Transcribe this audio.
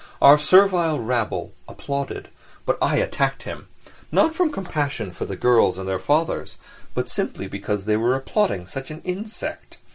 Our servile rabble applauded, but I attacked him, not from compassion for the girls and their fathers, but simply because they were applauding such an insect.